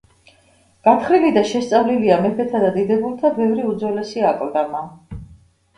გათხრილი და შესწავლილია მეფეთა და დიდებულთა ბევრი უძველესი აკლდამა.